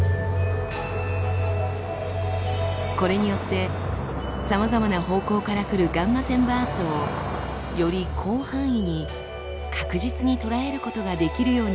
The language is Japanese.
これによってさまざまな方向から来るガンマ線バーストをより広範囲に確実に捉えることができるようになりました。